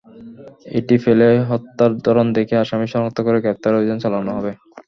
এটি পেলে হত্যার ধরন দেখে আসামি শনাক্ত করে গ্রেপ্তার অভিযান চালানো হবে।